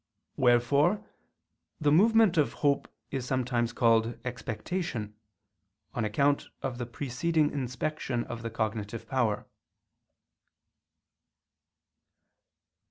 Wherefore the movement of hope is sometimes called expectation, on account of the preceding inspection of the cognitive power.